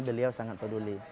beliau sangat peduli